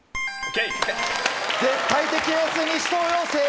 絶対的エース西頭陽生。